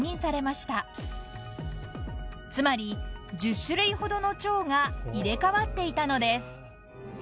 ［つまり１０種類ほどのチョウが入れ替わっていたのです］